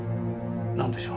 何でしょう？